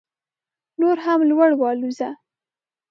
نور هم لوړ والوځه